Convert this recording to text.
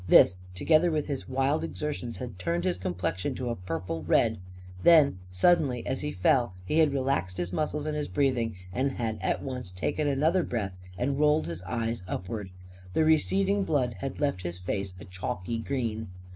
This, together with his wild exertions, had turned his complexion to a purple red. Then, suddenly, as he fell, he had relaxed his muscles and his breath; and had at once taken another breath and had rolled his eyes upward. The receding blood had left his face a chalky green.